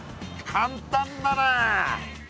簡単だな。